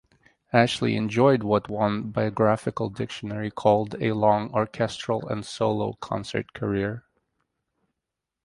Ashley enjoyed what one "Biographical Dictionary" called "a long orchestral and solo concert career".